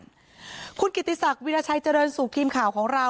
เดียวกันคุณกิตติศักดิ์วิราชัยเจริญสุกรีมข่าวของเรา